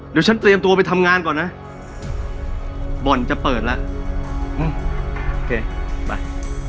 เดี๋ยวฉันเตรียมตัวไปทำงานก่อนนะบ่อนจะเปิดแล้วอืมโอเคไป